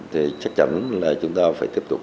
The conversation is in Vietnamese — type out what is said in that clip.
thì chắc chắn là chúng ta phải tiếp tục